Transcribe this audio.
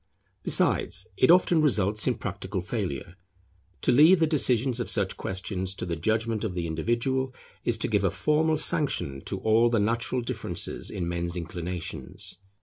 Besides, it often results in practical failure. To leave the decision of such questions to the judgment of the individual, is to give a formal sanction to all the natural difference in men's inclinations.